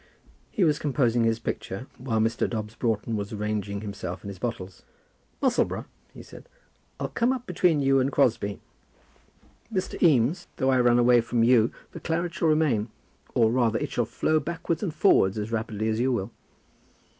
He was composing his picture, while Mr. Dobbs Broughton was arranging himself and his bottles. "Musselboro," he said, "I'll come up between you and Crosbie. Mr. Eames, though I run away from you, the claret shall remain; or, rather, it shall flow backwards and forwards as rapidly as you will."